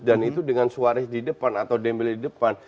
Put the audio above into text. dan itu dengan suarez di depan atau dembele di depan